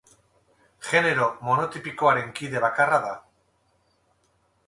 Genero monotipikoaren kide bakarra da.